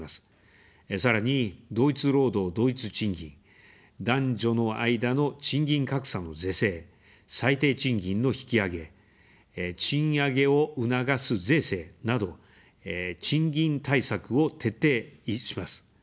さらに、同一労働同一賃金、男女の間の賃金格差の是正、最低賃金の引き上げ、賃上げを促す税制など賃金対策を徹底します。